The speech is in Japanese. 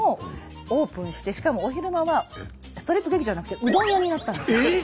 しかもお昼間はストリップ劇場じゃなくてうどん屋になったんですよ。